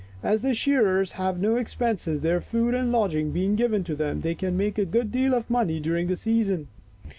As the shearers have no expenses, their food and lodging being given them, they can make a good deal of money during the season.